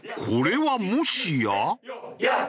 これはもしや。